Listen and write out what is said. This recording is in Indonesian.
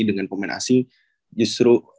dengan pemain asing justru